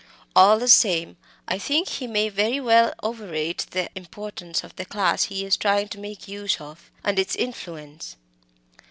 All the same I think he may very well overrate the importance of the class he is trying to make use of, and its influence.